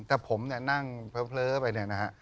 แต่ผมเนี่ยนั่งเผลอไปเนี่ยนะฮะ